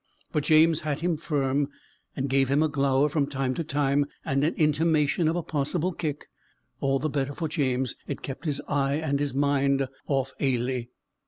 But James had him firm, and gave him a glower from time to time, and an intimation of a possible kick; all the better for James, it kept his eye and his mind off Ailie.